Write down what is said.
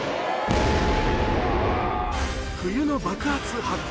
冬の爆発・発火！